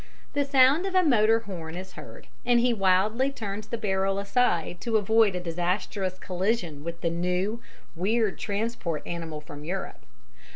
The sound of a motor horn is heard, and he wildly turns the barrel aside to avoid a disastrous collision with the new, weird transport animal from Europe.